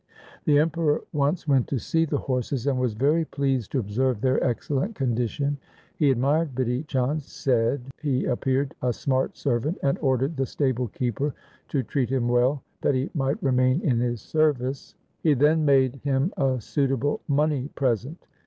The Emperor once went to see the horses and was very pleased to observe their excellent condition. He admired Bidhi Chand, said he appeared a smart ser vant, and ordered the stable keeper to treat him well, that he might remain in his service. He then made him a suitable money present.